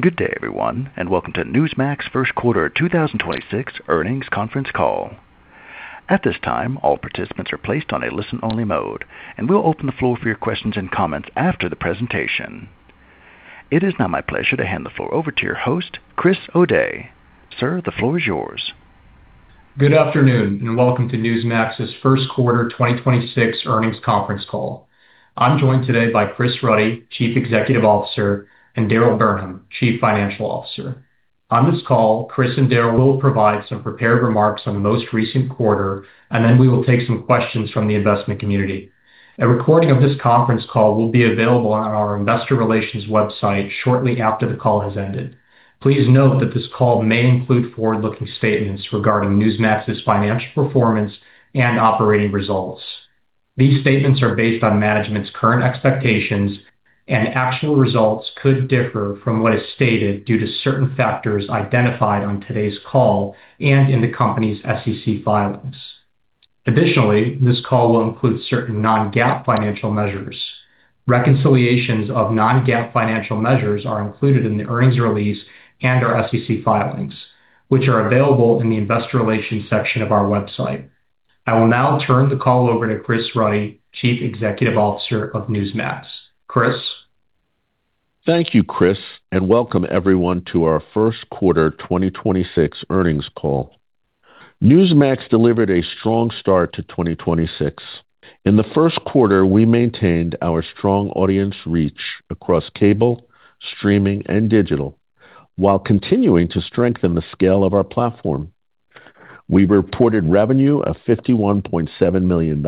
Good day, everyone, and welcome to Newsmax first quarter 2026 earnings conference call. At this time, all participants are placed on a listen-only mode, and we'll open the floor for your questions and comments after the presentation. It is now my pleasure to hand the floor over to your host, Chris Odeh. Sir, the floor is yours. Good afternoon, welcome to Newsmax's first quarter 2026 earnings conference call. I'm joined today by Chris Ruddy, Chief Executive Officer, and Darryle Burnham, Chief Financial Officer. On this call, Chris and Darryle will provide some prepared remarks on the most recent quarter, then we will take some questions from the investment community. A recording of this conference call will be available on our investor relations website shortly after the call has ended. Please note that this call may include forward-looking statements regarding Newsmax's financial performance and operating results. These statements are based on management's current expectations actual results could differ from what is stated due to certain factors identified on today's call and in the company's SEC filings. Additionally, this call will include certain non-GAAP financial measures. Reconciliations of non-GAAP financial measures are included in the earnings release and our SEC filings, which are available in the investor relations section of our website. I will now turn the call over to Chris Ruddy, Chief Executive Officer of Newsmax. Chris. Thank you, Chris, and welcome everyone to our first quarter 2026 earnings call. Newsmax delivered a strong start to 2026. In the first quarter, we maintained our strong audience reach across cable, streaming, and digital while continuing to strengthen the scale of our platform. We reported revenue of $51.7 million,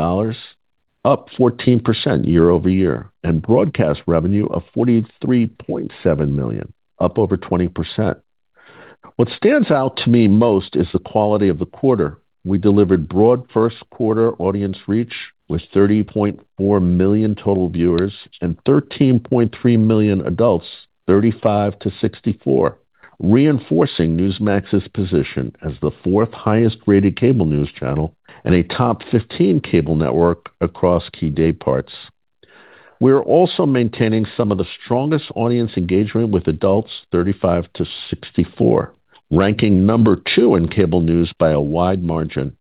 up 14% year-over-year, and broadcast revenue of $43.7 million, up over 20%. What stands out to me most is the quality of the quarter. We delivered broad first quarter audience reach with 30.4 million total viewers and 13.3 million adults 35 to 64, reinforcing Newsmax's position as the fourth highest rated cable news channel and a top 15 cable network across key dayparts. We are also maintaining some of the strongest audience engagement with adults 35 to 64, ranking number two in cable news by a wide margin.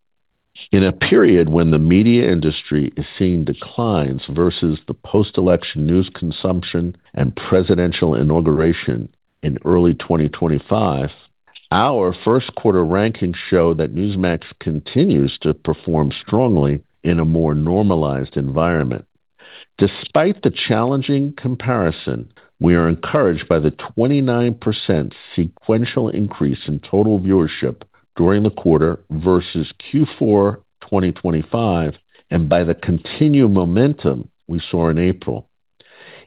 In a period when the media industry is seeing declines versus the post-election news consumption and presidential inauguration in early 2025, our first quarter rankings show that Newsmax continues to perform strongly in a more normalized environment. Despite the challenging comparison, we are encouraged by the 29% sequential increase in total viewership during the quarter versus Q4 2025 and by the continued momentum we saw in April.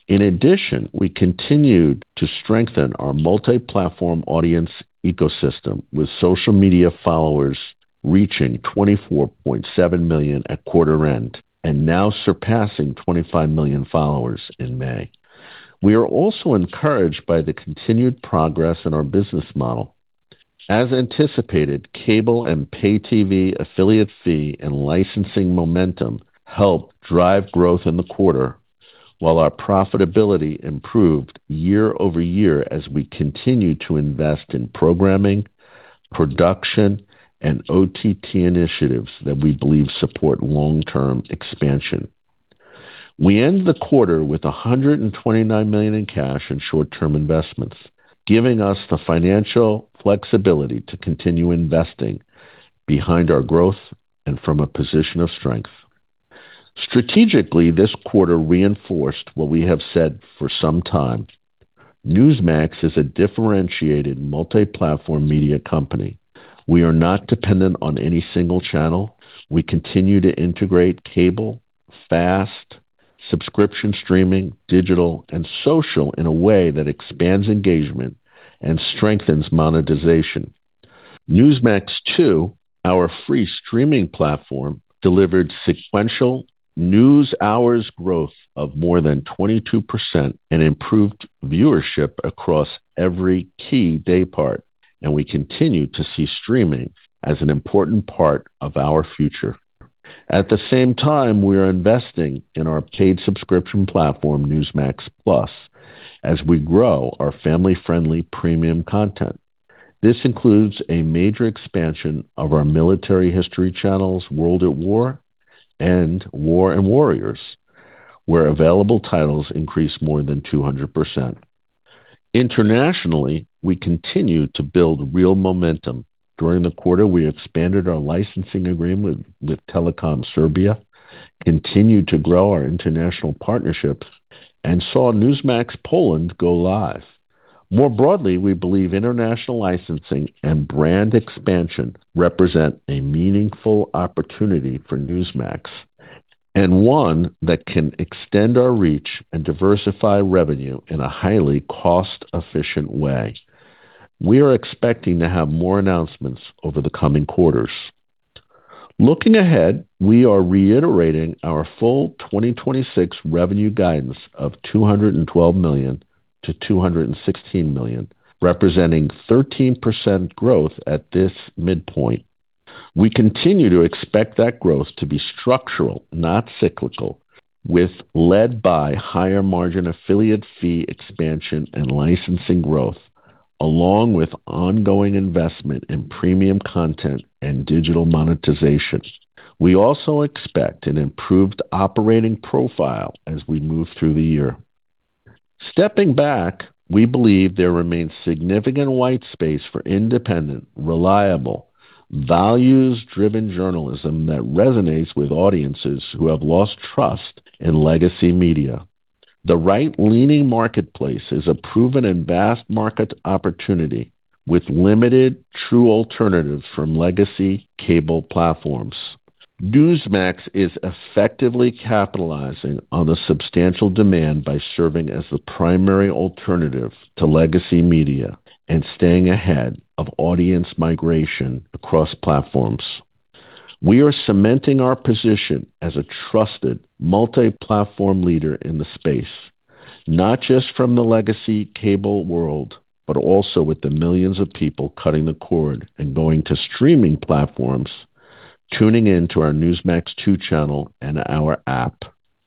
In addition, we continued to strengthen our multi-platform audience ecosystem with social media followers reaching 24.7 million at quarter end and now surpassing 25 million followers in May. We are also encouraged by the continued progress in our business model. As anticipated, cable and pay TV affiliate fee and licensing momentum helped drive growth in the quarter while our profitability improved year-over-year as we continue to invest in programming, production, and OTT initiatives that we believe support long-term expansion. We end the quarter with $129 million in cash and short-term investments, giving us the financial flexibility to continue investing behind our growth and from a position of strength. Strategically, this quarter reinforced what we have said for some time. Newsmax is a differentiated multi-platform media company. We are not dependent on any single channel. We continue to integrate cable, FAST subscription streaming, digital, and social in a way that expands engagement and strengthens monetization. Newsmax2, our free streaming platform, delivered sequential news hours growth of more than 22% and improved viewership across every key daypart, and we continue to see streaming as an important part of our future. At the same time, we are investing in our paid subscription platform, Newsmax+, as we grow our family-friendly premium content. This includes a major expansion of our military history channels, World at War and War and Warriors, where available titles increased more than 200%. Internationally, we continue to build real momentum. During the quarter, we expanded our licensing agreement with Telekom Srbija, continued to grow our international partnerships, and saw Newsmax Polska go live. More broadly, we believe international licensing and brand expansion represent a meaningful opportunity for Newsmax and one that can extend our reach and diversify revenue in a highly cost-efficient way. We are expecting to have more announcements over the coming quarters. Looking ahead, we are reiterating our full 2026 revenue guidance of $212 million-$216 million, representing 13% growth at this midpoint. We continue to expect that growth to be structural, not cyclical, led by higher margin affiliate fee expansion and licensing growth, along with ongoing investment in premium content and digital monetization. We also expect an improved operating profile as we move through the year. Stepping back, we believe there remains significant white space for independent, reliable, values-driven journalism that resonates with audiences who have lost trust in legacy media. The right-leaning marketplace is a proven and vast market opportunity with limited true alternatives from legacy cable platforms. Newsmax is effectively capitalizing on the substantial demand by serving as the primary alternative to legacy media and staying ahead of audience migration across platforms. We are cementing our position as a trusted multi-platform leader in the space, not just from the legacy cable world, but also with the millions of people cutting the cord and going to streaming platforms, tuning in to our Newsmax2 channel and our app.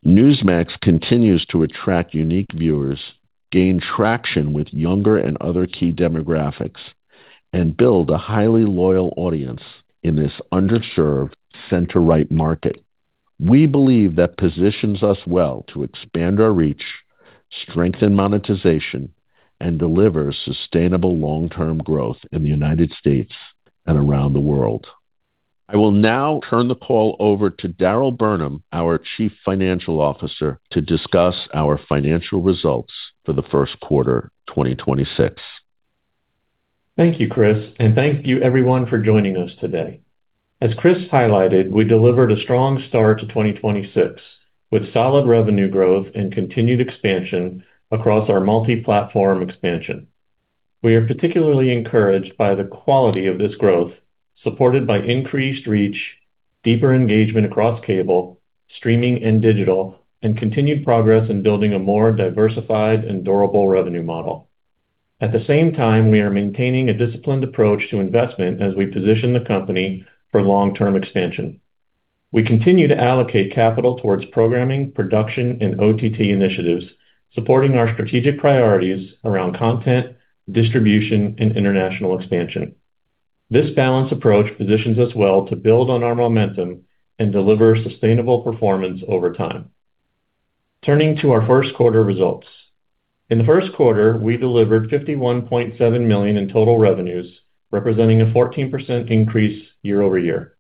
Newsmax continues to attract unique viewers, gain traction with younger and other key demographics, and build a highly loyal audience in this underserved center-right market. We believe that positions us well to expand our reach, strengthen monetization, and deliver sustainable long-term growth in the United States and around the world. I will now turn the call over to Darryle Burnham, our Chief Financial Officer, to discuss our financial results for the first quarter 2026. Thank you, Chris, and thank you everyone for joining us today. As Chris highlighted, we delivered a strong start to 2026, with solid revenue growth and continued expansion across our multi-platform expansion. We are particularly encouraged by the quality of this growth, supported by increased reach, deeper engagement across cable, streaming and digital, and continued progress in building a more diversified and durable revenue model. At the same time, we are maintaining a disciplined approach to investment as we position the company for long-term expansion. We continue to allocate capital towards programming, production and OTT initiatives, supporting our strategic priorities around content, distribution and international expansion. This balanced approach positions us well to build on our momentum and deliver sustainable performance over time. Turning to our first quarter results. In the first quarter, we delivered $51.7 million in total revenues, representing a 14% increase year-over-year.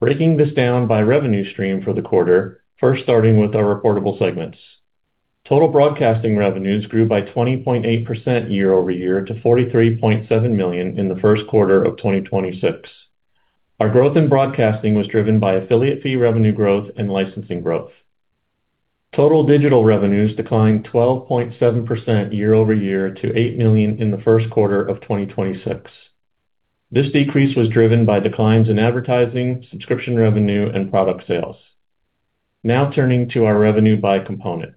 Breaking this down by revenue stream for the quarter, first starting with our reportable segments. Total broadcasting revenues grew by 20.8% year-over-year to $43.7 million in the first quarter of 2026. Our growth in broadcasting was driven by affiliate fee revenue growth and licensing growth. Total digital revenues declined 12.7% year-over-year to $8 million in the first quarter of 2026. This decrease was driven by declines in advertising, subscription revenue and product sales. Turning to our revenue by component.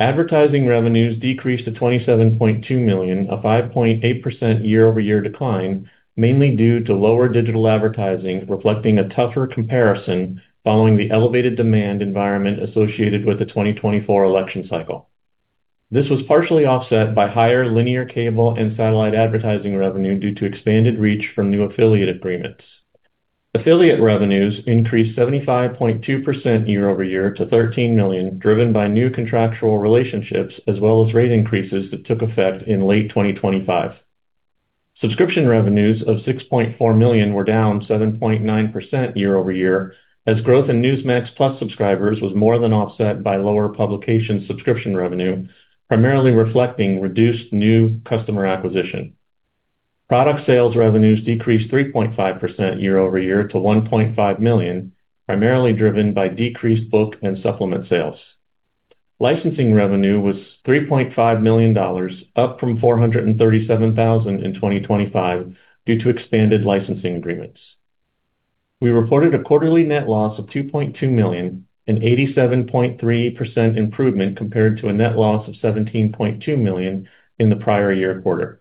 Advertising revenues decreased to $27.2 million, a 5.8% year-over-year decline, mainly due to lower digital advertising reflecting a tougher comparison following the elevated demand environment associated with the 2024 election cycle. This was partially offset by higher linear cable and satellite advertising revenue due to expanded reach from new affiliate agreements. Affiliate revenues increased 75.2% year-over-year to $13 million, driven by new contractual relationships as well as rate increases that took effect in late 2025. Subscription revenues of $6.4 million were down 7.9% year-over-year as growth in Newsmax+ subscribers was more than offset by lower publication subscription revenue, primarily reflecting reduced new customer acquisition. Product sales revenues decreased 3.5% year-over-year to $1.5 million, primarily driven by decreased book and supplement sales. Licensing revenue was $3.5 million, up from $437,000 in 2025 due to expanded licensing agreements. We reported a quarterly net loss of $2.2 million, an 87.3% improvement compared to a net loss of $17.2 million in the prior year quarter.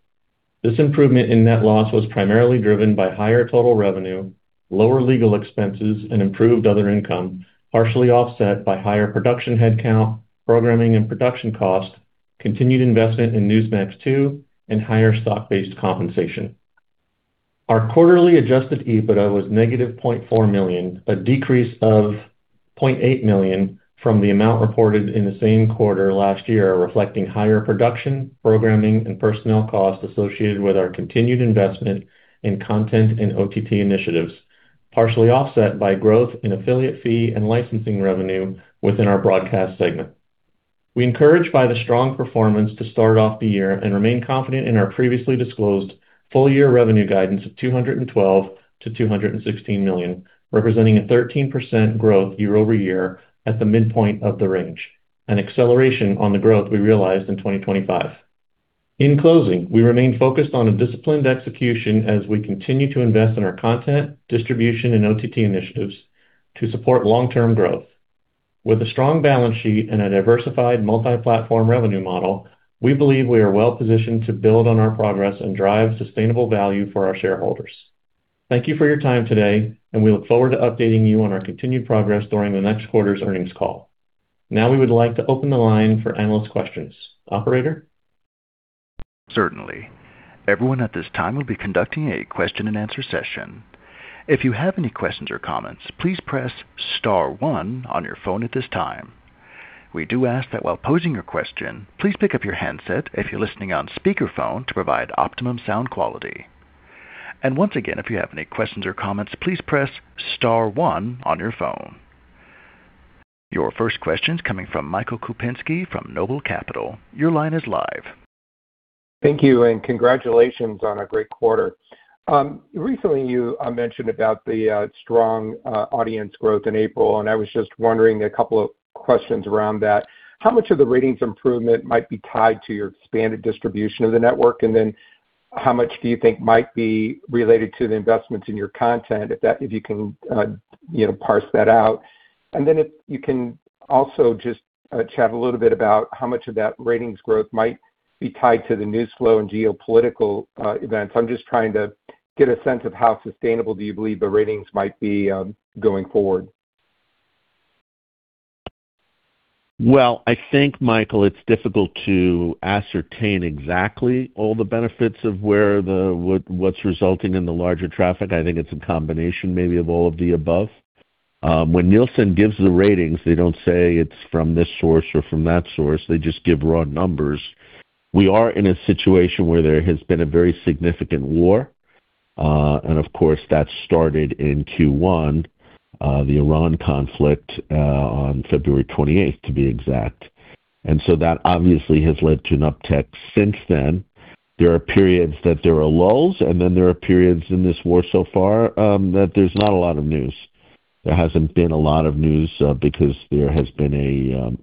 This improvement in net loss was primarily driven by higher total revenue, lower legal expenses and improved other income, partially offset by higher production headcount, programming and production cost, continued investment in Newsmax2, and higher stock-based compensation. Our quarterly adjusted EBITDA was -$0.4 million, a decrease of $0.8 million from the amount reported in the same quarter last year, reflecting higher production, programming and personnel costs associated with our continued investment in content and OTT initiatives, partially offset by growth in affiliate fee and licensing revenue within our broadcast segment. We encourage by the strong performance to start off the year and remain confident in our previously disclosed full year revenue guidance of $212 million-$216 million, representing a 13% growth year-over-year at the midpoint of the range, an acceleration on the growth we realized in 2025. In closing, we remain focused on a disciplined execution as we continue to invest in our content, distribution and OTT initiatives to support long-term growth. With a strong balance sheet and a diversified multi-platform revenue model, we believe we are well-positioned to build on our progress and drive sustainable value for our shareholders. Thank you for your time today. We look forward to updating you on our continued progress during the next quarter's earnings call. Now we would like to open the line for analyst questions. Operator? Certainly. Everyone at this time will be conducting a question-and-answer session. Your first question's coming from Michael Kupinski from Noble Capital. Your line is live. Thank you. Congratulations on a great quarter. Recently, you mentioned about the strong audience growth in April. I was just wondering a couple of questions around that. How much of the ratings improvement might be tied to your expanded distribution of the network? How much do you think might be related to the investments in your content, if you can, you know, parse that out. If you can also just chat a little bit about how much of that ratings growth might be tied to the news flow and geopolitical events. I'm just trying to get a sense of how sustainable do you believe the ratings might be going forward. Well, I think, Michael, it's difficult to ascertain exactly all the benefits of what's resulting in the larger traffic. I think it's a combination maybe of all of the above. When Nielsen gives the ratings, they don't say it's from this source or from that source. They just give raw numbers. We are in a situation where there has been a very significant war. Of course, that started in Q1, the Iran conflict on February 28th, to be exact. That obviously has led to an uptick since then. There are periods that there are lulls. There are periods in this war so far that there's not a lot of news. There hasn't been a lot of news because there has been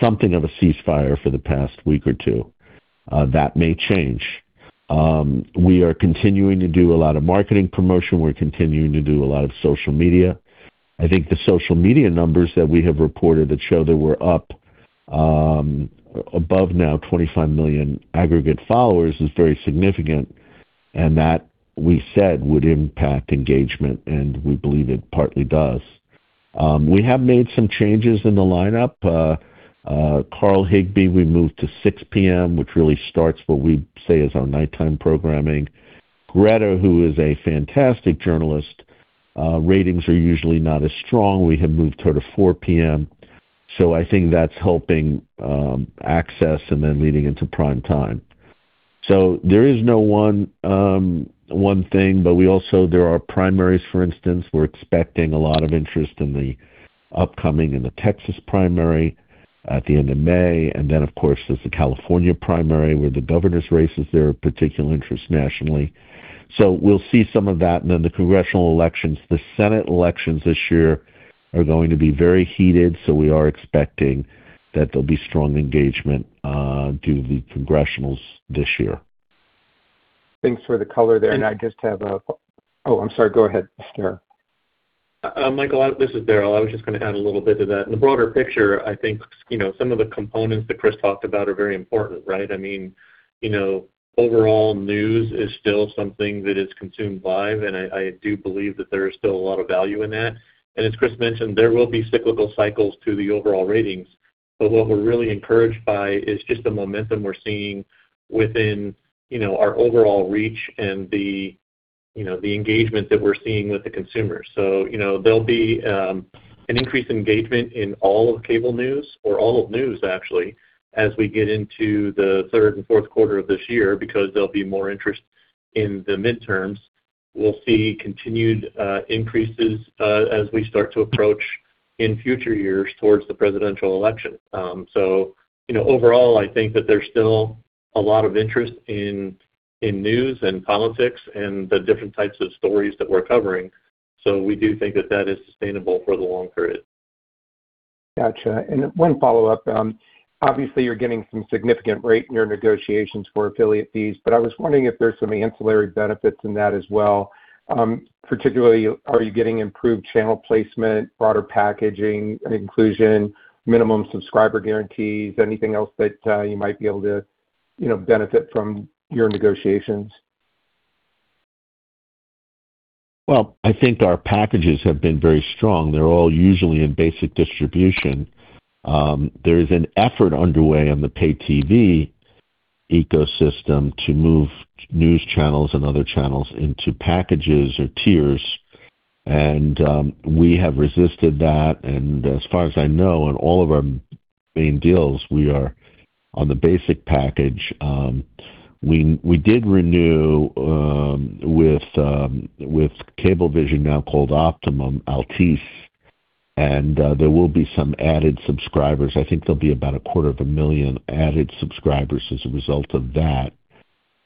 something of a ceasefire for the past week or two. That may change. We are continuing to do a lot of marketing promotion. We're continuing to do a lot of social media. I think the social media numbers that we have reported that show that we're up, above now 25 million aggregate followers is very significant, and that, we said, would impact engagement, and we believe it partly does. We have made some changes in the lineup. Carl Higbie, we moved to 6:00 P.M., which really starts what we say is our nighttime programming. Greta, who is a fantastic journalist, ratings are usually not as strong. We have moved her to 4:00 P.M. I think that's helping access and then leading into prime time. There is no one thing, there are primaries, for instance. We're expecting a lot of interest in the upcoming, in the Texas primary at the end of May. Of course, there's the California primary where the governor's race is there of particular interest nationally. We'll see some of that. The congressional elections, the Senate elections this year are going to be very heated, so we are expecting that there'll be strong engagement, due to the congressionals this year. Thanks for the color there. Oh, I'm sorry. Go ahead, Chris. Michael, this is Darryle. I was just gonna add a little bit to that. In the broader picture, I think, you know, some of the components that Chris talked about are very important, right? I mean, you know, overall news is still something that is consumed live, and I do believe that there is still a lot of value in that. As Chris mentioned, there will be cyclical cycles to the overall ratings. What we're really encouraged by is just the momentum we're seeing within, you know, our overall reach and the, you know, the engagement that we're seeing with the consumer. You know, there'll be an increased engagement in all of cable news or all of news actually, as we get into the third and fourth quarter of this year because there'll be more interest in the midterms. We'll see continued increases as we start to approach in future years towards the presidential election. You know, overall, I think that there's still a lot of interest in news and politics and the different types of stories that we're covering. We do think that that is sustainable for the long term. Gotcha. One follow-up. Obviously you're getting some significant rate in your negotiations for affiliate fees, but I was wondering if there's some ancillary benefits in that as well. Particularly, are you getting improved channel placement, broader packaging and inclusion, minimum subscriber guarantees, anything else that you might be able to, you know, benefit from your negotiations? Well, I think our packages have been very strong. They're all usually in basic distribution. There is an effort underway on the paid TV ecosystem to move news channels and other channels into packages or tiers, and we have resisted that. As far as I know, on all of our main deals, we are on the basic package. We did renew with Cablevision now called Optimum Altice, and there will be some added subscribers. I think there'll be about a quarter of a million added subscribers as a result of that.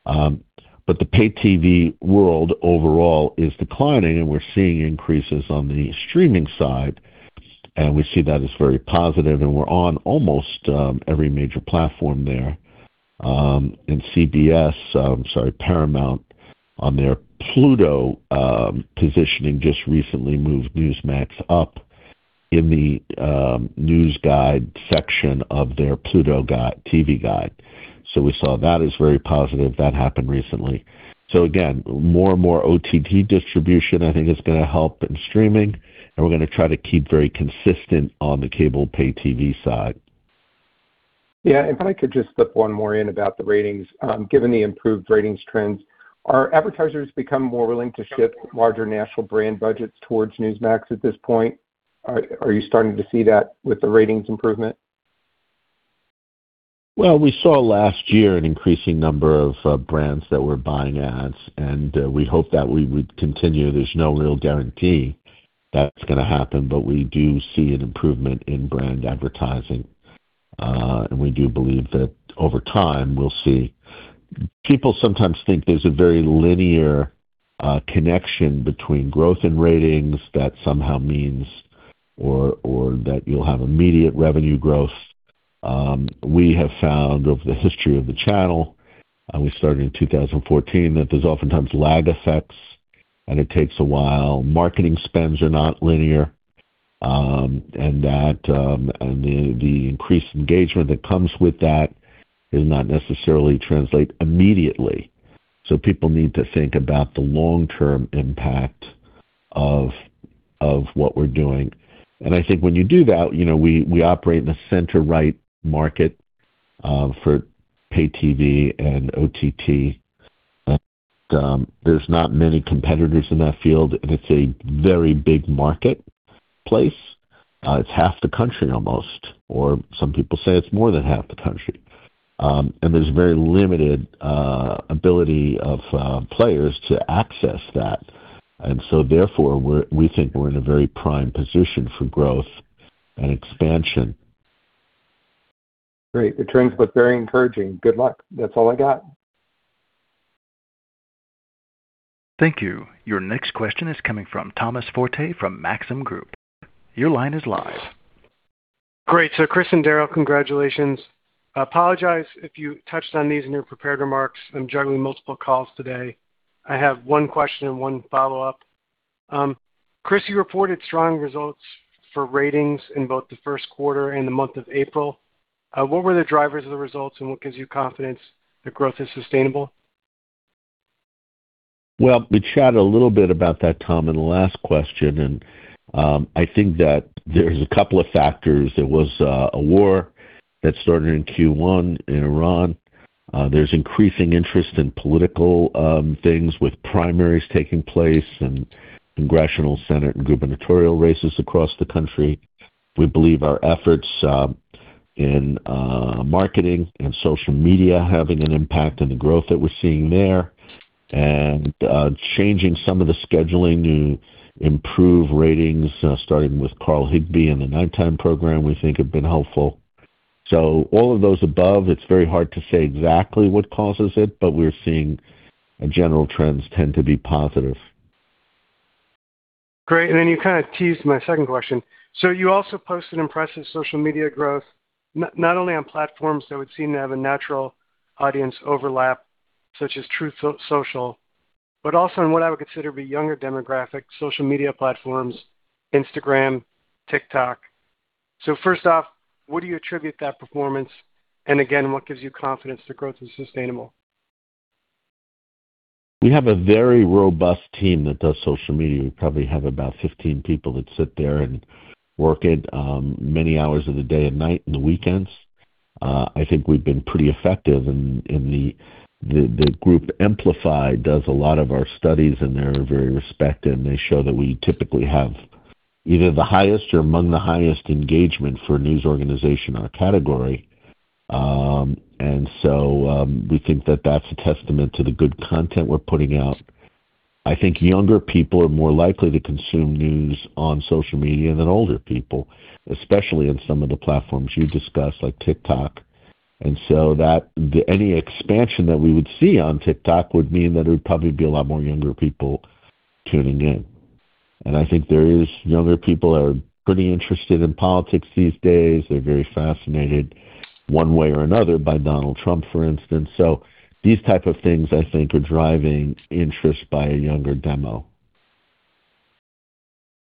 The paid TV world overall is declining, and we're seeing increases on the streaming side, and we see that as very positive, and we're on almost every major platform there. CBS, sorry, Paramount on their Pluto positioning just recently moved Newsmax up in the news guide section of their Pluto TV guide. We saw that as very positive. That happened recently. Again, more and more OTT distribution, I think is gonna help in streaming, and we're gonna try to keep very consistent on the cable pay TV side. Yeah. If I could just slip one more in about the ratings. Given the improved ratings trends, are advertisers become more willing to shift larger national brand budgets towards Newsmax at this point? Are you starting to see that with the ratings improvement? Well, we saw last year an increasing number of brands that were buying ads, and we hope that we would continue. There's no real guarantee that's gonna happen, but we do see an improvement in brand advertising. We do believe that over time, we'll see. People sometimes think there's a very linear connection between growth and ratings that somehow means or that you'll have immediate revenue growth. We have found over the history of the channel, and we started in 2014, that there's oftentimes lag effects, and it takes a while. Marketing spends are not linear. That, and the increased engagement that comes with that does not necessarily translate immediately. People need to think about the long-term impact of what we're doing. I think when you do that, you know, we operate in the center-right market for pay TV and OTT. There's not many competitors in that field, and it's a very big marketplace. It's half the country almost, or some people say it's more than half the country. There's very limited ability of players to access that. Therefore, we think we're in a very prime position for growth and expansion. Great. The trends look very encouraging. Good luck. That's all I got. Thank you. Your next question is coming from Thomas Forte from Maxim Group. Your line is live. Great. Chris and Darryle, congratulations. I apologize if you touched on these in your prepared remarks. I'm juggling multiple calls today. I have one question and one follow-up. Chris, you reported strong results for ratings in both the first quarter and the month of April. What were the drivers of the results, and what gives you confidence that growth is sustainable? We chatted a little bit about that, Tom, in the last question. I think that there's a couple of factors. There was a war that started in Q1 in Iran. There's increasing interest in political things with primaries taking place and congressional senate and gubernatorial races across the country. We believe our efforts in marketing and social media are having an impact on the growth that we're seeing there. Changing some of the scheduling to improve ratings, starting with Carl Higbie and the nighttime program, we think have been helpful. All of those above, it's very hard to say exactly what causes it, but we're seeing general trends tend to be positive. Great. You kinda teased my second question. You also posted impressive social media growth, not only on platforms that would seem to have a natural audience overlap, such as Truth Social, but also on what I would consider to be younger demographic, social media platforms, Instagram, TikTok. First off, what do you attribute that performance? Again, what gives you confidence the growth is sustainable? We have a very robust team that does social media. We probably have about 15 people that sit there and work it, many hours of the day and night and the weekends. I think we've been pretty effective in the group Amplify does a lot of our studies, and they're very respected, and they show that we typically have either the highest or among the highest engagement for a news organization in our category. We think that that's a testament to the good content we're putting out. I think younger people are more likely to consume news on social media than older people, especially on some of the platforms you discussed, like TikTok. Any expansion that we would see on TikTok would mean that it would probably be a lot more younger people tuning in. I think there is younger people are pretty interested in politics these days. They're very fascinated one way or another by Donald Trump, for instance. These type of things, I think, are driving interest by a younger demo.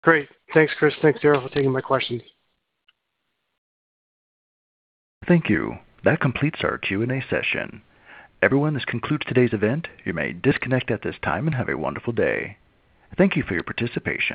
Great. Thanks, Chris. Thanks, Darryle, for taking my questions. Thank you. That completes our Q&A session. Everyone, this concludes today's event. You may disconnect at this time and have a wonderful day. Thank you for your participation.